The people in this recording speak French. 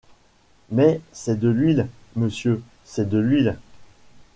Mais c’est de l’huile. .. monsieur. .. c’est de l’huile !